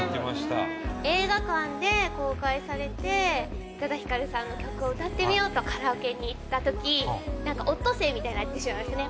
映画館で公開されて宇多田ヒカルさんの曲を歌ってみようとカラオケに行った時オットセイみたいになってしまいましたね。